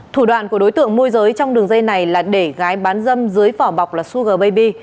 thủ đoạn của đối tượng môi giới trong đường dây này là để gái bán dâm dưới phỏ bọc là sugar baby